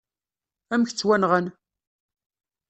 Amek ttwanɣan?